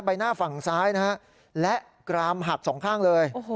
ใบหน้าฝั่งซ้ายนะฮะและกรามหักสองข้างเลย